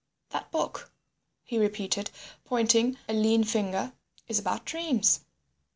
"That book," he repeated, pointing a lean finger, "is about dreams."